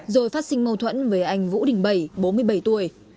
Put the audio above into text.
rồi phát sinh mâu thuẫn với anh vũ đình bảy bốn mươi bảy tuổi